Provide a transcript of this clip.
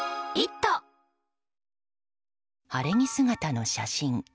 晴れ着姿の写真。